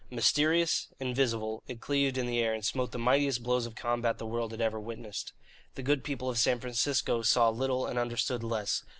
Mysterious, invisible, it cleaved the air and smote the mightiest blows of combat the world had ever witnessed. The good people of San Francisco saw little and understood less.